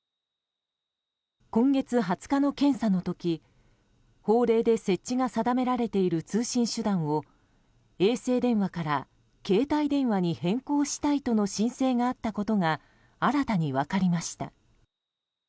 今月２０日の検査の時法令で設置が定められている通信手段を衛星電話から携帯電話に変更したいとの申請があったことが新たに分かりました。